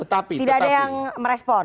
tidak ada yang merespon